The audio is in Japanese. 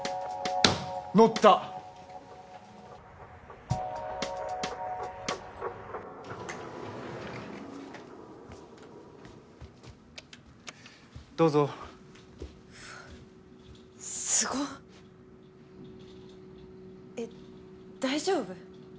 乗ったどうぞうわすごっえっ大丈夫？